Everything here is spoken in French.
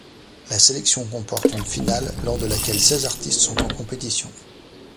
La sélection comporte une finale lors de laquelle seize artistes sont en compétition.